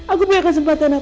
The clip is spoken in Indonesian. aku punya kesempatan apa